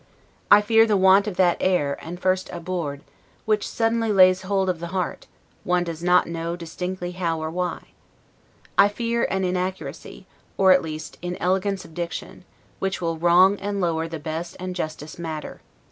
I fear the want of that air, and first 'abord', which suddenly lays hold of the heart, one does not know distinctly how or why. I fear an inaccuracy, or, at least, inelegance of diction, which will wrong, and lower, the best and justest matter.